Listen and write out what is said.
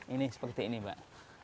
ini seperti ini pak